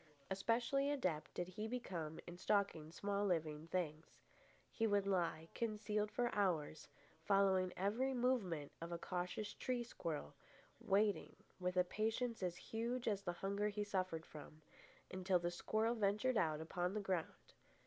Especially adept did he become in stalking small living things. He would lie concealed for hours, following every movement of a cautious tree squirrel, waiting, with a patience as huge as the hunger he suffered from, until the squirrel ventured out upon the ground.